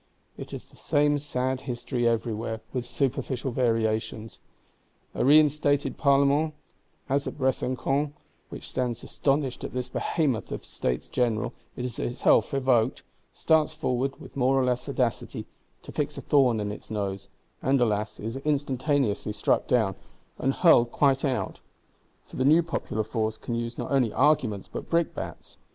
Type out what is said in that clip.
It is the same sad history everywhere; with superficial variations. A reinstated Parlement (as at Besancon), which stands astonished at this Behemoth of a States General it had itself evoked, starts forward, with more or less audacity, to fix a thorn in its nose; and, alas, is instantaneously struck down, and hurled quite out,—for the new popular force can use not only arguments but brickbats!